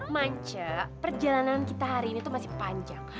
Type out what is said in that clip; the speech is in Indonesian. manca perjalanan kita hari ini tuh masih panjang